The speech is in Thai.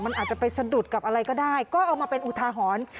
มันอาจจะไปสะดุดกับอะไรก็ได้ก็เอามาเป็นอุทาหรณ์